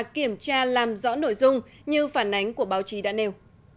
kiểm tra làm rõ nội dung như phản ánh của báo chí đã nêu